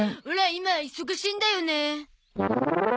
今忙しいんだよね。